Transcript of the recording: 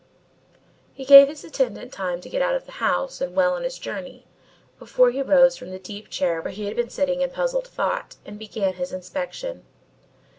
He gave his attendant time to get out of the house and well on his journey before he rose from the deep chair where he had been sitting in puzzled thought and began his inspection.